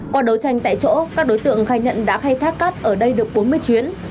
qua đấu tranh tại chỗ các đối tượng khai nhận đã khai thác cát ở đây được bốn mươi chuyến